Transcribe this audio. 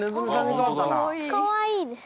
かわいいです。